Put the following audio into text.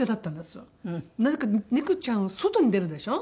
なぜか猫ちゃんは外に出るでしょ？